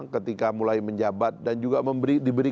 ketika mulai menjabat dan juga diberikan pertanyaan yang baik itu